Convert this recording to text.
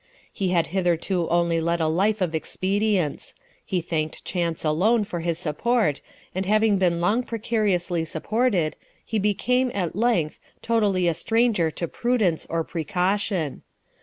He had hitherto only led a life of expedients ; he thanked chance alone for his support, and having been long precariously supported, he became, at length, totally a stranger to prudence or precaution.